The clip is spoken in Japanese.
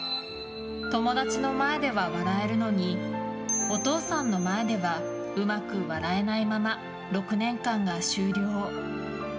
友達の前では笑えるのにお父さんの前ではうまく笑えないまま６年間が終了。